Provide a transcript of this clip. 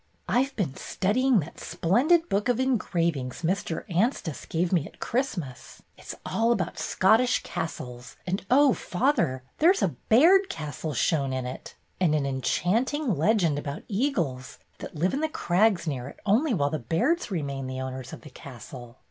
"I Ve been studying that splendid book of engravings Mr. Anstice gave me at Christmas. It 's all about Scottish castles, and oh, father, there 's a Baird castle shown in it, and an enchanting legend about eagles that live in the crags near it only while the Bairds remain the owners of the castle."